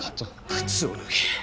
靴を脱げ。